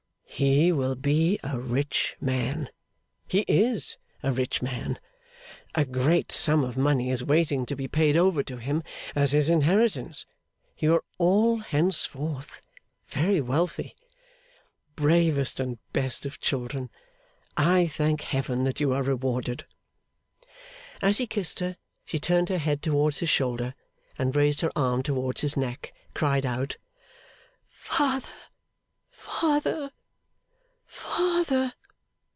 'He will be a rich man. He is a rich man. A great sum of money is waiting to be paid over to him as his inheritance; you are all henceforth very wealthy. Bravest and best of children, I thank Heaven that you are rewarded!' As he kissed her, she turned her head towards his shoulder, and raised her arm towards his neck; cried out 'Father! Father! Father!